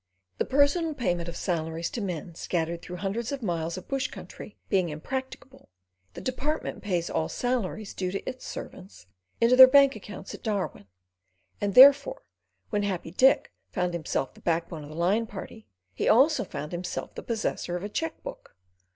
The personal payment of salaries to men scattered through hundreds of miles of bush country being impracticable, the department pays all salaries due to its servants into their bank accounts at Darwin, and therefore when Happy Dick found himself the backbone of the line party, he also found himself the possessor of a cheque book.